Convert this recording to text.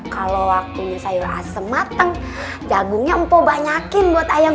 kalau waktunya sayur asem mateng jagungnya empuk banyakin buat ayam